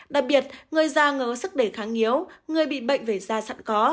đặc biệt người da ngỡ sức đề kháng nhiếu người bị bệnh về da sẵn có